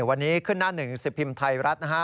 วันนี้ขึ้นหน้าหนึ่งสิบพิมพ์ไทยรัฐนะฮะ